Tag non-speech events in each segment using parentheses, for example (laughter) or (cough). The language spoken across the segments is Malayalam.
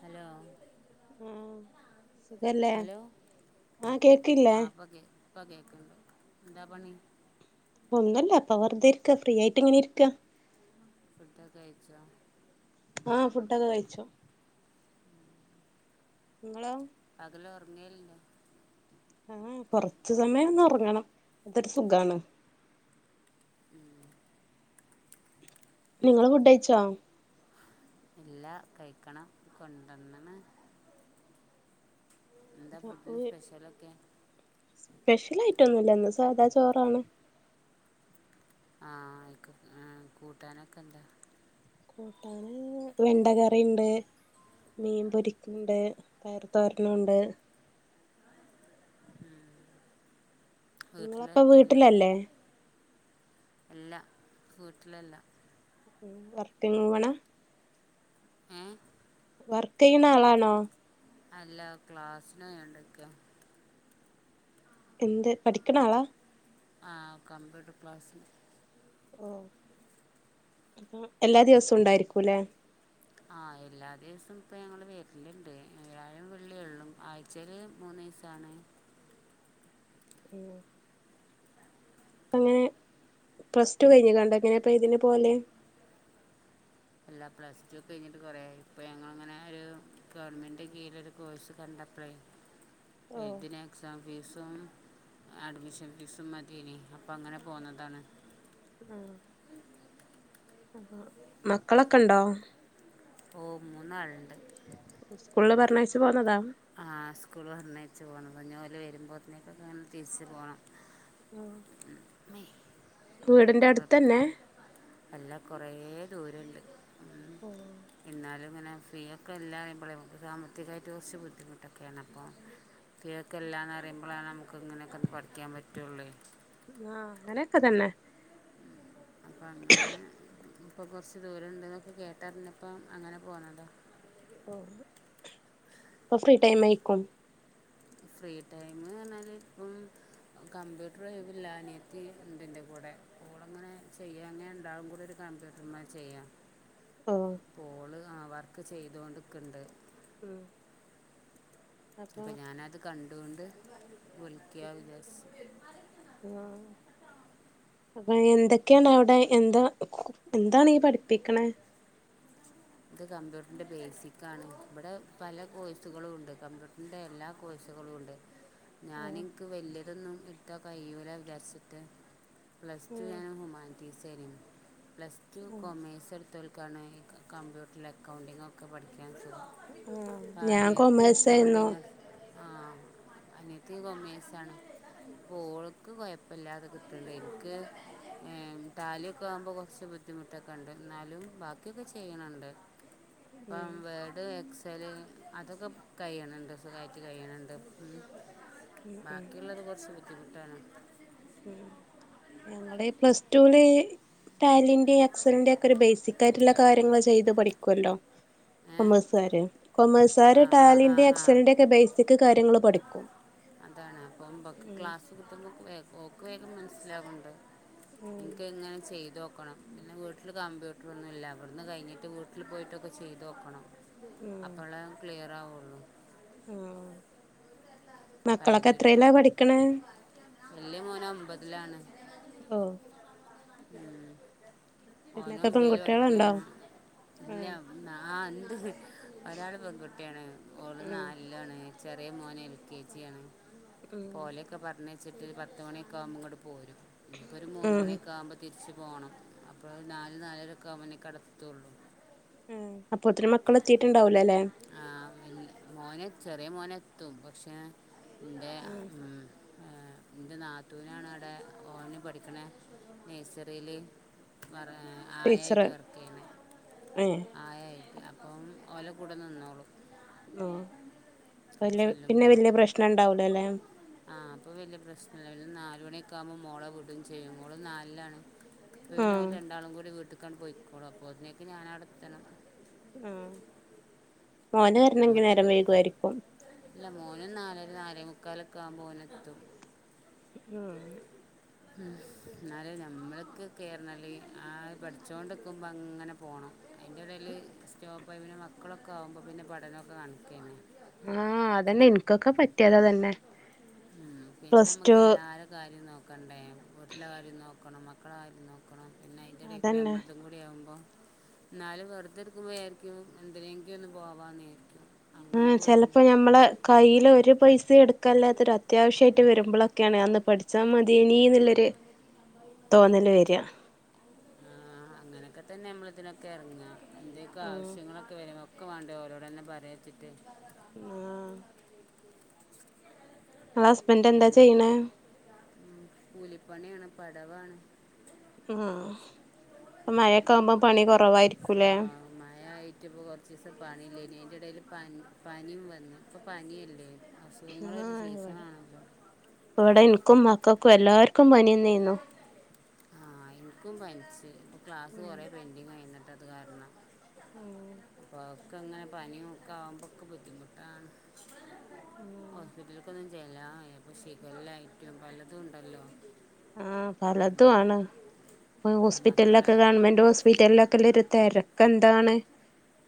ഹലോ ഉം സുഖല്ലേ ഹലോ ആഹ കേക്കില്ലേ ഇപ്പകെകണ്ട് എന്താപണി ഒന്നുല്ല ഇപ്പ വെറുതെ ഇരിക്ക ഫ്രീ ആയിട്ട് ഇങ്ങനെ ഇരിക്ക ഫുഡൊക്കെ കഴിച്ചാ ആഹ ഫുഡൊക്കെ കഴിച്ചു നിങ്ങളോ പകല് ഉറങ്ങൽ ഉണ്ടോ ആഹ കൊറച്ച് സമയം ഒന്ന് ഉറങ്ങണം അതൊരു സുഖമാണ് (inaudible) നിങ്ങള് ഫുഡ് കഴിച്ചോ ഇല്ലാ കഴിക്കണം കൊണ്ടുവന്നാണ് എന്താ ഫുഡിന് ഉവ്വ് സ്പെഷ്യലൊക്കെ സ്പെഷ്യൽ ആയിട്ട് ഒന്നുല്ല ഇന്ന് സാധാ ചോറാണ് ആഹ് അയ്ക്ക് കൂട്ടാനൊക്കെ എന്താ കൂട്ടാന് വെണ്ട കറിണ്ട് മീൻ പൊരിക്കുന്നുണ്ട് പയർ തോരന്നുണ്ട് ഉം നിങ്ങളപ്പ വീട്ടിലല്ലേ അല്ലാ വീട്ടിലല്ലാ വർക്കിംഗ്‌ വുമണ ആഹ് വർക്കെയുന്നളണോ അല്ല ക്ലാസ്സിനോയുണ്ടൊക്ക എന്ത് പഠിക്കണ ആളാ ആഹ് കമ്പ്യൂട്ടർ ക്ലാസ്സി ഓഹ് എല്ലാ ദിവസവും ഉണ്ടായിരിക്കുല്ലെ ആഹ് എല്ലാ ദിവസം ഇപ്പ ഞങ്ങള് വരലുണ്ട് വ്യാഴം വെള്ളിയെള്ളൂ ആയി ചെറി മൂന്ന് വയസ്സണ് ഉം അങ്ങനെ പ്ലസ് ടു കഴിഞ്ഞ കണ്ട എങ്ങനെ അപ്പ ഇതിന് പോലെ എല്ലാ പ്ലസ് ടു ഒക്കെ കഴിഞ്ഞിട്ട് കുറേ ആയി ഇപ്പൊ ഞങ്ങനെ ഒരു ഗവൺമെന്റെ കീഴിലോ കോഴ്സ് കണ്ടപ്പളേ ഓ ഇതിന് എക്സാം ഫീസും അഡ്മിഷൻ ഫീസും മതിനി അപ്പം അങ്ങനെ പോന്നതാണ് ആഹ് ആഹ് മക്കളൊക്കെണ്ടോ ഓഹ് മൂന്നാളുണ്ട് സ്കൂളിൽ പറഞ്ഞയിച്ച പോന്നതാ ആഹ് സ്കൂൾപറഞ്ഞച്ച് പോന്നത് ഓല് വരുമ്പോത്തേക്കൊക്കെ തിരിച്ചു പോണം ആഹ് മ്മേ വീടിന്റെ അടുതന്നെ എല്ലാ കുറേ ദൂരുണ്ട് ഓ എന്നാലും ഇങ്ങനെ ഫീയൊക്കെ എല്ലാ പറയുമ്പോഴേ നമുക്ക് സാമ്പത്തികായിട്ട കുറച്ച് ബുദ്ധിമുട്ടൊക്കെയാണ് അപ്പം ഫ്രീയൊക്കെ എല്ലാന്ന് പറയുമ്പോഴാണ് നമുക്ക് ഇങ്ങനെയൊക്കെ ഒന്ന് പഠിക്കാൻ പറ്റയുള്ളേ ആഹ് അങ്ങനെയൊക്കെ തന്നെ അപ്പൾ അങ്ങനെ ഇപ്പോ കുറച്ച് ദൂരം ഉണ്ടെന്നൊക്കെ കേട്ടറിഞ്ഞപ്പം അങ്ങനെ പോണതാ പ്പൊ ഫ്രീ ടൈം എയിക്കും ഫ്രീ ടൈം ആർഞ്ഞാൽ ഇപ്പം കമ്പ്യൂട്ടർ ഒഴിവില്ല അനിയത്തിയുണ്ട് എന്റെ കൂടെ (unintelligible) അങ്ങനെ ചെയ്യു അങ്ങനെ ഉണ്ടാവും കൂടെ ഒരു കമ്പ്യൂട്ടറിന് മേൽ ചെയ്യ ഓഹ് കോള് ആഹ് വർക്ക് ചെയ്തൊണ്ടിക്കണ്ട് ഉം അപ്പൊ ഞാനത് കണ്ടൂണ്ട് വിളിക്കാന് വിചാ ആഹ് അപ്പൊ എന്തൊക്കെയാണ് അവിടെ എന്താ എന്താണ് ഈ പഠിപ്പിക്കണ ഇത് കമ്പ്യൂട്ടറിൻ്റെ ബേസിക്കാണ് ഇവിടെ പല കോഴ്സുകളും ഉണ്ട് കമ്പ്യൂട്ടറിൻ്റെ എല്ലാ കോഴ്സുകളുണ്ട് (inaudible) ഞാൻ ഇൻക്ക് വലിയതൊന്നും എടുത്ത കൈയൂല വിചാരിച്ചിട്ട് പ്ലസ് ടു ഉം ഞാൻ ഹുമാനിറ്റി (unintelligible) പ്ലസ് ടു കോമേഴ്സ് എടുത്തോൽക്കാണ് കമ്പ്യൂട്ടറിൽ അക്കൗണ്ടിങ്ങൊക്കെ പഠിക്കാ ആഹ് ഞാൻ അനിയത്തി കൊമേഴ്സ് ആയിരുന്നു അക്കൗണ്ടിങ്ങ ആഹ് അനിയത്തി കോമേഴ്‌സ് ആണ് ഓൾക്ക് കൊഴപ്പില്ലാതെ കിട്ട്ണ്ട് എനിക്ക് ഏമ് കാലിയൊക്കെ ആകുമ്പോ കൊറ്ച്ച് ബുദ്ധിമുട്ടൊക്കെണ്ട്. ന്നാലും ബാക്കിയൊക്കെ ചെ. ചെയ്യണണ്ട് ഇപ്പം ഉം വേ. ത് എക്സല് അതൊക്കെ കയ്യ്ണ് ണ്ട് സുഖായിട്ട് കയ്യ്ണ് ണ്ട് ഉം ഉം ഉം ബാക്കിള്ളത് കൊറ്ച്ച് ബുദ്ധിമുട്ടാണ്. ഉം ഞങ്ങടെ ഈ പ്ലസ്ടുല് ട്ടാലിന്റെ എക്സലിന്റെ ഒക്കെ ഒരു ബേസിക് ആയിട്ടുള്ള കാര്യങ്ങൾ ചെയ്ത് പഠിക്കൊല്ലോ. ഏ കൊമേഴ്സാര് ആ കൊമേഴ്സാര് ആ ആ ടാലിന്റെ ആ എക്സലന്റെ ഒക്കെ ബേസിക് കാര്യങ്ങൾ പഠിക്കും. അതാണ് അപ്പൊമ്പക്ക് ഉം ക്ലാസ് കിട്ടുമ്പോ ഓക്ക് വേഗം മനസ്സിലാകുണ്ട് ഉം ഇൻക്കിങ്ങനെ ചെയ്തു നോക്കണം പിന്നെ വീട്ടില് കമ്പ്യൂട്ടർ ഒന്നും ഇല്ല. വിടുന്ന് കഴിഞ്ഞിട്ട് വീട്ടിൽ പോയിട്ടൊക്കെ ചെയ്ത് നോക്കണം. അപ്പളേ ക്ലിയർ ആവുള്ളൂ. ഉം മക്കളൊക്കെ എത്രീല പഠിക്ക്ണേ? വല്ല്യമോന് ഒമ്പതിലാണ്. ഓഹ്. ഉം ഓന് പിന്നൊക്കെ ഒൻബേല് പെൺകുട്ടികളുണ്ടോ പടിക്കാണ് ഇല്ല ഉം ന്നാ (unintelligible) ഒരാള് പെൺകുട്ടിയാണ് ഓൾ ഉം നാല് താണ് ചെറിയ മോന് എ ൽ കെ ജി ആണ് ഉം ഓലൊക്കെ പറഞ്ഞയ് ച്ചിട്ട് പത്ത്മണി ഒക്കെ ആവുമ്പോ ഇങ്ങട്ട് പോരും. ഇപ്പോ ഒരു മൂന്ന് ഉം മണി ഒക്കെ ആവുമ്പോ. തിരിച്ചു പോണം അപ്പോൾ നാൽ നാലരൊക്കെ അവുമ്പോ നി കെടത്തുള്ളൂ. ഉം അപ്പൊത്തിന് മക്കൾ എത്തിയിട്ടുണ്ടാവൂലലേ ആ പി മോനെ ചെറിയ മോനെത്തും പക്ഷെ ന്റെ ഉം. ഏ ന്റെ നാത്തൂനാണ് അടെ ഓന് പഠിക്കണേ നേഴ്സറീൽ പറേ ടീച്ചറ് ആയായിട്ട് വർക്ക് ചെയ്യണേ. ഏഹ് ആയായിട്ട് അപ്പം ഓം ഓല കൂടെ നിനിന്നോളും. ഓ വല്യ പിന്നെ ചെല്ലുംമ്പോ. വല്യ പ്രശ്നം ഉണ്ടാവൂലല്ലേ ആ അപ്പൊ വല്ല്യ പ്രശ്നല്ല രു നാല് മണിയൊക്കെ ആവുമ്പോ മോളെ വിടും ചെയ്യും. മോള് നാലിലാണ്. അപ്പപിന്നെ ഓല് ആഹ് രണ്ടാളും കൂടി വീട്ട്ക്കാണ്ട് പോയിക്കോളും അപ്പോതിനേക്ക് ഞാൻ ഔടെത്തണം. ഉം മോന് വരണെങ്കി നമുക്ക് നേരം പി- വൈകു ആയിരിക്കും. ഇല്ല മോനും നാലെര നാലേ മുക്കാലൊക്ക ആവുമ്പ ഓനെത്തും. ഉം ഉം ന്നാല് ഞമ്മക്ക് കേർന്നൽ ആ പഠിച്ചോണ്ട്ക്കുമ്പോ അങ്ങനെ പോണം. അയിന്റെടേൽ സ്റ്റോപ്പായി പിന്നെ മക്കളൊക്കെ ആവുമ്പോ പിന്നെ പഠനൊക്കെ കണക്കന്നെ. ആ അതന്നെ ൻക്കൊക്കെ പറ്റിയതതന്നെ. ഉം പിന്നെ മ്മക്ക് എല്ലാര കാര്യം നോക്കണ്ടേ വീട്ടില കാര്യം നോക്കണം മക്കള കാര്യം നോക്കണം പിന്നെ അതി്ന്റെടേകൂടെ അതന്നെ നമ്മൾതും കൂ. ടി ആവുമ്പോ ന്നാലും വെറുതെ ഇരിക്കുമ്പോ വിയാര്ക്കും എന്തിനെങ്കി ഒന്ന് പോവാ ന്ന് യാര്ക്യും ആ ചെലപ്പോ ഞമ്മള് കയ്യിൽ ഒരു പൈസയും എടുക്കല്ലാത്തൊരു അത്യാവശ്യായിട്ട് വരുമ്പൊളൊക്കെയാണ് അന്ന് പഠിച്ചാ മതേനീ ന്നുള്ളൊര് തോന്നല് വെര. അങ്ങനെക്കെ തന്നെ നമ്മള് ഇതിനൊക്കെ എറ്ങ്ങ എന്തയൊക്കെ ഉം ആവശ്യങ്ങളൊക്കെ വരു ഒക്കെ വാണ്ടേ ഓരോടന്നെ പറയച്ചിട്ട്. ആഹ്. ങ്ങള ഹസ്ബൻറ്റ് എന്താ ചെയ്യ്ണേ. ഉം കൂലിപ്പണിയാണ് പടവാണ്. ഉം പ്പ മയൊക്കെ ആവുമ്പോ പണി കൊറവായിരിക്കുലേ. മയായിട്ട് ഇപ്പോ കൊറ്ച്ച്സം പണില്ലേനി അയിന്റെടേൽ പനി പനിം വന്നു ഇപ്പ പനിയല്ലേ. അസുഖങ്ങളൊരു സീസണാണല്ലോ. പ്പവിടെ ഇൻക്കും മക്കക്കും എല്ലാര്ക്കും പനിയന്നേന്നു. ഇന്ക്കും പന്ച്ച് പ്പം ക്ലാസ്സ് ഉം കൊറേ പെൻറിങ്ങായി ഇന്ന്ട്ടത് കാരണം. ഉം അവക്കങ്ങനെ പനിയൊക്കെ ആകുമ്പോക്കെ ബുദ്ധിമുട്ടാണ് ആഹ് ഹോസ്പിറ്റലക്കൊപ്പോ ചെല്ലാൻ വയ്യാ ഷിഗേല്ലയായിട്ടും പലതും ഉണ്ടല്ലോ ആ പലതുംആണ് ഇപ്പൊ മക്കളെ ഹോസ്പിറ്റലിലൊക്കെ ഗവൺമെന്റ്ഹോസ്‌പിറ്റലിലൊക്കെ ഹോസ്‌പിറ്റലിലൊക്കെന്തൊരു തിരക്കെന്താണ്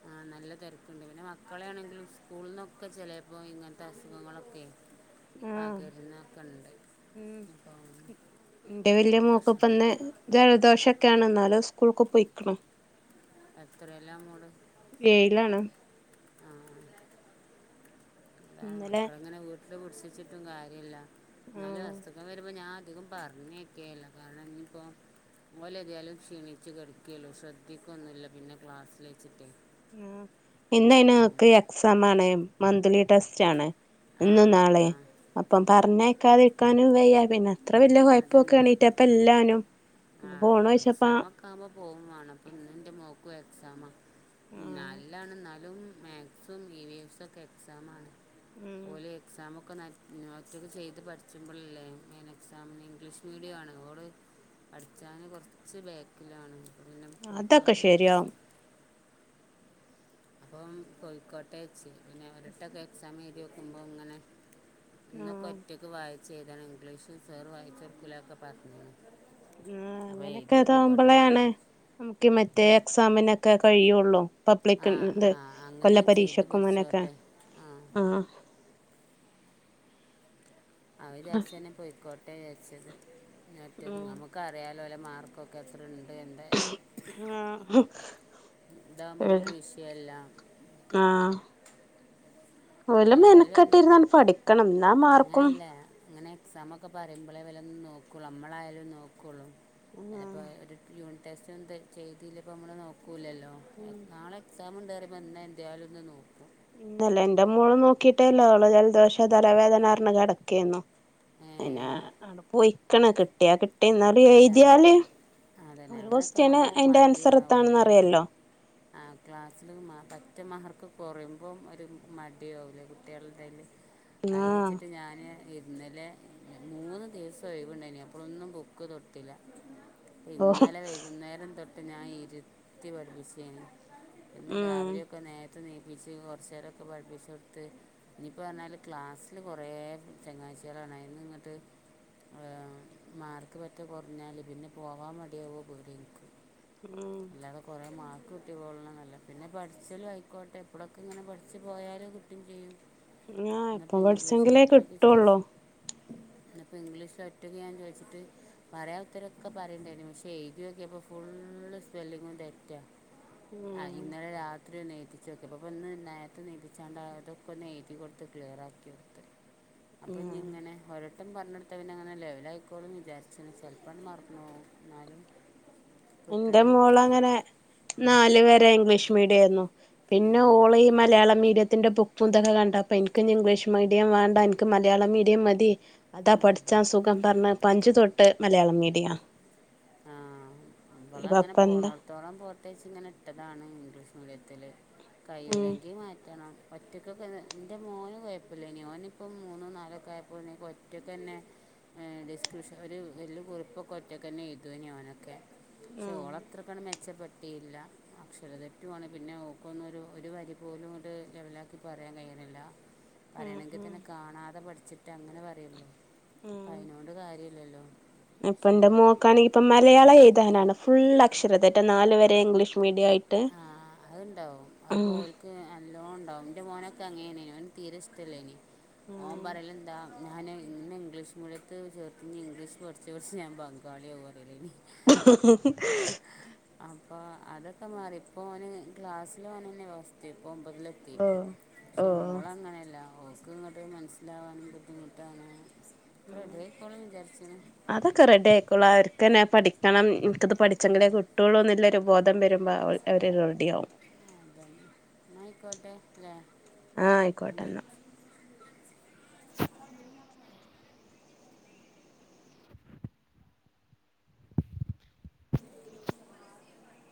ആഹ നല്ല തിരക്ക്ണ്ട് പിന്നെ മക്കളൊണെങ്കിലും സ്കൂളിൽ നിന്നൊക്കെ ചെിലപ്പോ ഇങ്ങനത്തെ അസുഖങ്ങളൊക്കെ ആഹ് പകരുന്നൊക്കെണ്ട് ഉം എന്റെ അപ്പ വലിയ ഒക്കെ (inaudible) മോക്കിപ്പ ഇന്ന് ജലദോഷൊക്കെയാണ് എന്നാലും സ്കൂൾക്ക്പോയ്ക്ക്ണ് എത്രേലാ മോള്? ഏയ്ലാണ്. ആഹ ഇന്നലെ മക്കള ഇങ്ങനെ വീട്ടിൽ പിടിച്ചുവച്ചിട്ടും കാര്യമില്ല എന്നാലും ആഹ് ആസ്പത്രി ഇത് വരുമ്പോ ഞാനധികം പറഞ്ഞൊക്കെയല്ല കാരണം ഇനിപ്പോ ഓലേതായാലും ക്ഷീണിച്ച് കെടക്കെയുള്ളൂ ശ്രദ്ധിക്കൊന്നുല്ല പിന്നെ ക്ലാസിൽ വെച്ചിട്ടേ ഇന്ന്‌യ്ന് ഓക്ക് എക്സാം ആണ് മന്ത്ലി ടെസ്റ്റ് ആണ് ആ ഇന്നും ആ നാളേം ആ അപ്പം പറഞ്ഞേക്കാതിരിക്കാനും വയ്യ പിന്നെ അത്ര വലിയ കുഴപ്പൊക്കെ അതന്നെ എണീട്ടപ്പ ഇല്ലാനും ഫോണോച്ചയ്പ്പോ എക്സാം ആവുമ്പൊ പോവുംവേണം അപ്പൊ ഇന്ന് ഇന്റെ മോക്കും എക്സാമാ ആഹ് നാലിലാണ് എന്നാലും (unintelligible) മാക്സും ഇ വി എസും ഒക്കെ എക്സാംആണ് ഉം എക്സാമൊക്കെ ഒറ്റൊക്ക് ചെയ്ത് പഠിച്ചുമ്പോളല്ലേ ഇംഗ്ലീഷ് മീഡിയമാണ് ഓള് പഠിച്ചാന് കുറച്ച് ബാക്കിലാണ് പിന്നെ അതൊക്കെ പോയിക്കോട്ടേന്ന് വച്ച് ശരിയാവും അപ്പം പോയിക്കോട്ടെന്ന് വച്ച് പിന്നെ ഒരട്ടക്കെ എക്സാം എഴുതിയേക്കുമ്പോ ഇങ്ങനെ ഇന്നൊക്കെ ആഹ് ഒറ്റയ്ക്ക് വായിച് എഴ്തണം ഇംഗ്ലീഷ് സർ വായിച്ചൊടുക്കൂലാന്നൊക്കെ പറഞീന്നു ആ അങ്ങനെയൊക്കെ ഇതാവുമ്പോളേ ആണ് നമുക്ക് മറ്റേ ഏഹ് എക്സാമിനൊക്കെ കഴിയുള്ളൂ ആ പബ്ലിക്ക് ആ കൊല്ല അങ്ങനെ ചെയ്ത് പരീക്ഷക്കും അങ്ങനൊക്കെ പഠിച്ചോട്ടെ ആ (unintelligible) അവൻ വിചാരിച്ച തന്നെ പോയിക്കോട്ടെ വെച്ചത് ഞാൻ ഒറ്റയ്ക്ക് ഉം നമുക്ക് ഇൻക് അറിയാലോ ഓലെ മാർക്കൊക്കെ എത്ര ഉണ്ട് ന്ന് ആ ഇതാകുമ്പോൾ നമുക്ക് വിഷയമല്ല ആഹ ഓല് ഏതായാലും മെനക്കെട്ടിരുന്നങ്ങട് പഠിക്കണം എന്നാ മാർക്കും അങ്ങനെയല്ല അങ്ങനെ എക്സാമൊക്കെ പറയുമ്പോളേ ഇവലൊന്ന് നോക്കുള്ളൂ നമ്മളായാലും നോക്കയുള്ളൂ ആഹ് അലപ്പോ ഒരു (unintelligible) യൂണിറ്റ് ടെസ്റ്റ് ഒന്നും (unintelligible) ചെയ്തില്ല ഇപ്പോൾ നമ്മൾ നോക്കൂല്ലല്ലോ എന്നാളെ എക്സാം ഉണ്ടെന്ന് പറയുമ്പോ എന്നാ എന്തായാലും ഒന്ന് നോക്കും ഇല്ല ഇന്റെ മോള് നോക്കിട്ടേല്ലാ അവള് ജലദോഷാ തലവേദനാന്നുപറഞ്ഞ് കെടക്കയിരുന്നു ഏ, പിന്നെ അങ്ങട് പോയിക്ക്ണ് കിട്ടിയ കിട്ടി എന്നാൽ അല്ല എഴുതിയാല് അതന്നെ ഒരു അങ്ങനെയൊക്കെ ക്യുഎസ്ടിയൻ ആകുമ്പോൾ അതിന്റെ ആൻസർ എത്താണെന്ന് അറിയല്ലോ ആ ക്ലാസ്സില് പറ്റ മാർക്ക് കുറയുമ്പം ഒരു മടിയാവൂലെ കുട്ടികള്ടെടയിൽ അയ് ആഹ് വിചാരിച്ചിട്ട് ഞാന് ഇന്നലെ മൂന്ന് ദിവസം ഒഴിവിൻണ്ടായിനി അപ്പളൊന്നും ബുക്ക് തൊട്ടീല്ല ഓഹ് ഇന്നലെ വൈകുന്നേരം തൊട്ട് ഞാൻ ഇരുത്തി പഠിപ്പിച്ചെനി ഇന്ന് ഉം രാവിലെയൊക്കെ നേരത്ത് ണീപ്പിച്ച് കുറച്ചേരൊക്കെ പഠിപ്പിച്ചോടുത്ത് ഇനിയിപ്പോ പറഞ്ഞാല് ക്ലാസ്സില് കുറെേ ചങ്ങായിച്ചികളാണ് അതിന്ന് ഇങ്ങോട്ട് മാർക്ക് പറ്റ കുറഞ്ഞാല് പിന്നെ പോവാൻ മടിയാവോന്നാ പേടിയാ ഉം അല്ലാതെ കൊറേ മാർക്കും കിട്ടികൊളണംന്നില്ല പിന്നെ പഠിച്ചാലും ആയിക്കോട്ടെ ഇപ്പഴൊക്കെ ഇങ്ങനെ പഠിച്ച് പോയാലും കിട്ടും ചെയ്യും ആ ഇന്നിപ്പോ ഇപ്പം ഇന്ഗ്ലീഷ് പഠിച്ചെങ്കിലേ ഒറ്റയ്ക് കിട്ടുള്ളൂ ഇന്നിപ്പോ ഇംഗ്ലീഷ് ഒറ്റക്ക് ഞാൻ ചോദിച്ചിട്ട് പറയാൻ ഉത്തരൊക്കെ പറയിണ്ടായിരുന്നു പക്ഷെ എഴുതിയോക്കിയപ്പോ ഫുള്ള് സ്പെല്ലിങ്ങും തെറ്റാ ആ ഉം ഇന്നലെ രാത്രി രാത്രി ഒന്ന് എഴുതിചോക്കി നേർത്തെ നീപ്പിച്ചണ്ട് അതൊക്കെയൊന്ന് എഴുതിപ്പിച്ചോക്കി എഴുതി കൊടുത്ത് ക്ലിയർറാക്കി (inaudible) ഉം അപ്പൊഞ്ഞിങ്ങനെ ഓരൊ ട്ടൻ പർഞ്ഞൊട്ത്ത പിന്നങ്ങനെ ലെവലായിക്കോളും ന്ന് വിചാരിചിണ് ചെൽപാണ്ട് മറന്നോവും ന്നാലും ഇന്റെ മോളങ്ങനെ നാല് വരെ ഇംഗ്ലീഷ് മീഡിയായിരുന്നു പിന്നെ ഉം. ഓള് ഈ മലയാള മീഡിയത്തിന്റെ ബുക്കുംന്തൊക്കെ കണ്ടപ്പ എനിക്കിനി ഇംഗ്ലീഷ് മീഡിയം വേണ്ടാ എ ക്ക് മലയാളം മീഡിയം മതി താ ഉം. പഠിച്ചാൻ സുഖാന്ന് പറഞ്ഞ് പ്പഞ്ചു തൊട്ട് മലയാളം മീഡിയാ ആ ഇപ്പ ഇവളങ്ങനെ പോണോ എന്താ ത്തോളം പോട്ടെന്നു ഇട്ടതാണ് ഇംഗ്ലീഷ് മീഡിയത്തില് ഉം കൈയൂല്ലെങ്കി മാറ്റണം ഒറ്റയ്ക്കൊക്കെ ഇൻ്റെ മോന് കൊയപ്പല്ലായ്നി ഓനിപ്പം മൂന്നോ നാലൊക്കെ ആയപ്പോനി ഒറ്റക്കെന്നെ ഏ ഡിസ്ക്രിപ്ഷൻ ഒരു വലിയ കുറിപ്പൊക്കെ ഒറ്റക്കന്നെ എഴുതോനി ഓനൊക്കെ പക്ഷെ ഉം ഓളത്ര (unintelligible) മെച്ചപ്പെടുത്തിയില്ല അക്ഷര തെറ്റു ആണ് പിന്നെ ഓക്കൊന്നൊരു ഒരു വരി പോലും ങ്ങട് ലെവലാക്കി പറയാൻ കഴിയ്ണില്ല (inaudible) അറിയണെങ്കി ഉം തന്നെ കാണാതെ പഠിച്ചി റ്റങ്ങനെ പറയല്ലെ പ്പയിനോണ്ട് കാര്യല്ലല്ലോ ഇപ്പന്റെ മോക്കാണെങ്കി ഇപ്പ മലയാളം എഴുതാനാണ് ഫുള്ളക്ഷര തെറ്റാ നാല് വരെ ഇംഗ്ലീഷ് മീഡിയായി ആ അഹ്ണ്ടാവും അഹ്‌ പ്പോല് ട്ട് നല്ലോണണ്ടാവും ന്റെ മോനൊക്കെ അങ്ങനെയാണ്‌ ഓന് തീരെ ഇഷ്ടല്ലേനി ആ ഓപറയലെന്താ ഞാന് ന്നെ ഇംഗ്ലീഷ് മീഡിയത്ത് ചേർത്ത് നി ഇംഗ്ലീഷ് പഠിച്ച് പഠിച്ച് ഞാൻ ബംഗാളിയാവൂ പറയല് (unintelligible) അപ്പൊ അതൊക്കെ മാറി ഇപ്പോ ഓന് ക്ലാസ്സിലോനന്നെ ഫസ് ഇപ്പൊ ഒമ്പതിലെത്തി ഓ ഓ ക്ഷേ മോളങ്ങനല്ല ഓ ബുക്കുംങ്ങട്ട് മനസ്സിലാവാനും ബുദ്ധിമുട്ടാണ് ഒക്കെ റെഡിആയിക്കോളും വിചാരിച്ച്ണ് അതൊക്കെ റെഡി ആയിക്കോളു അവർക്കന്നെ പഠിക്കണം എനിക്കത് പഠിച്ചെങ്കിലേ കിട്ടുള്ളുന്ന്ള്ളൊരു ബോധം വരുമ്പോ അവൾ അവര് റെഡിയാവും ന്നാ ആയിക്കോട്ടെ ലേ ആ ആയിക്കോട്ടെ പിന്നെ എന്നാ (unintelligible) (unintelligible)